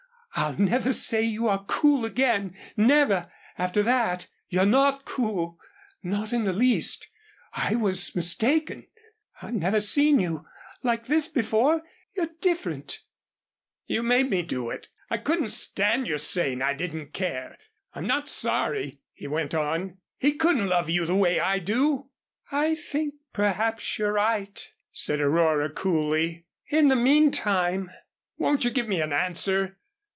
I'll never say you are cool again never after that. You're not cool not in the least I was mistaken. I've never seen you like this before you're different " "You made me do it. I couldn't stand your saying I didn't care. I'm not sorry," he went on, "he couldn't love you the way I do." "I think perhaps you're right," said Aurora coolly. "In the meantime " "Won't you give me an answer?"